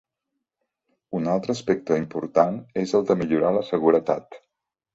Un altre aspecte important és el de millorar la seguretat.